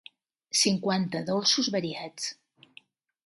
Cinquanta dolços variats.